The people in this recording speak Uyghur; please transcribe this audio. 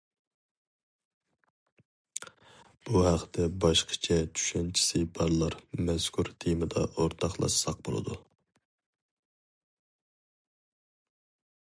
بۇ ھەقتە باشقىچە چۈشەنچىسى بارلار مەزكۇر تېمىدا ئورتاقلاشساق بولىدۇ.